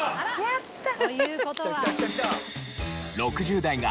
やったー！